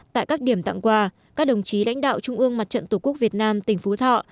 tại các điểm tặng quà các đồng chí lãnh đạo trung ương mặt trận tổ quốc việt nam tỉnh phú thọ